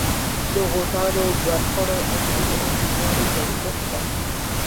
د غوزانو مرخڼو انګورو او توتانو بڼونه شته.